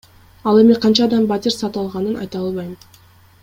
Ал эми канча адам батир сатып алганын айта албайм.